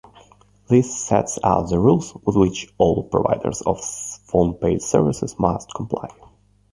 This sets out the rules with which all providers of phone-paid services must comply.